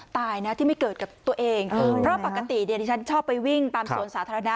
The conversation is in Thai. ตายนะที่ไม่เกิดกับตัวเองเพราะปกติเนี่ยที่ฉันชอบไปวิ่งตามสวนสาธารณะ